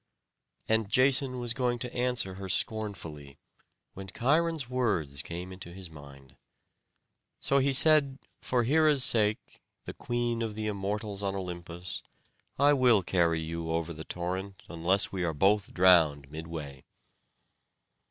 And Jason was going to answer her scornfully, when Cheiron's words came to his mind. So he said: "For Hera's sake, the Queen of the Immortals on Olympus, I will carry you over the torrent, unless we both are drowned midway."